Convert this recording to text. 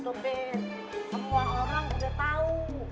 semua orang udah tahu